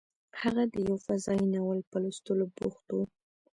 هغه د یو فضايي ناول په لوستلو بوخت و